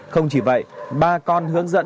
không chỉ vậy bà còn hướng dẫn